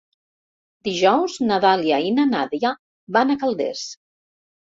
Dijous na Dàlia i na Nàdia van a Calders.